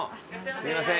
すいません。